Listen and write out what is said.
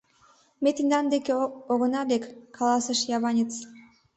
— Ме тендан деке огына лек, — каласыш яванец.